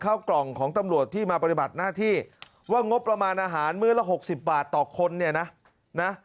เข้ากล่องของตำรวจที่มาปฏิบัติหน้าที่ว่างบประมาณอาหารมื้อละหกสิบบาทต่อคนเนี่ยนะ